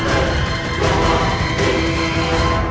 aku tak bisa